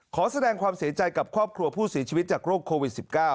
ขอแสดงความเสียใจกับครอบครัวผู้เสียชีวิตจากโรคโควิด๑๙